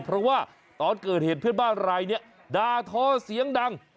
เพราะว่าตอนเกิดเหตุเพื่อนบ้านรายนี้ด่าทอเสียงดัง